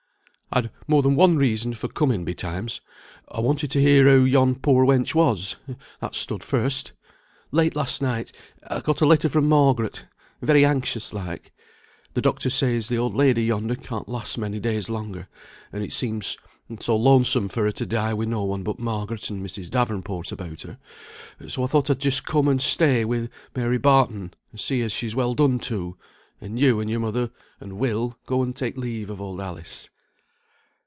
"I'd more than one reason for coming betimes. I wanted to hear how yon poor wench was; that stood first. Late last night I got a letter from Margaret, very anxious like. The doctor says the old lady yonder can't last many days longer, and it seems so lonesome for her to die with no one but Margaret and Mrs. Davenport about her. So I thought I'd just come and stay with Mary Barton, and see as she's well done to, and you and your mother and Will go and take leave of old Alice."